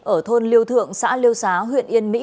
ở thôn liêu thượng xã liêu xá huyện yên mỹ